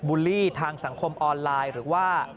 ูลลี่ทางสังคมออนไลน์หรือว่า